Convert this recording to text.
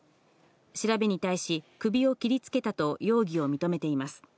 調べに対し、首を切りつけたと容疑を認めています。